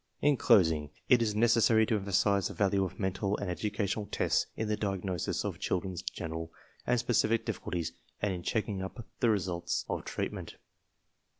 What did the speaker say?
CORRECTIVE AND ADJUSTMENT CASES 111 In closing, it is necessary to emphasize the value of mental and educational tests in the diagnosis of chil dren's general and specific difficulties and in checking up the results of treatment.